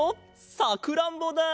さくらんぼだ！